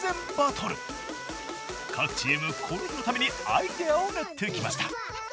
各チームこの日のためにアイデアを練ってきました。